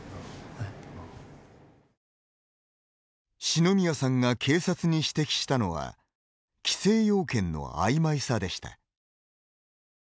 四ノ宮さんが警察に指摘したのは規制要件のあいまいさでした。